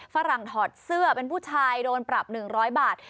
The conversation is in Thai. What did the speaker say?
ฝรั่งถอดเสื้อเป็นผู้ชายโดนปรับ๑๐๐บาท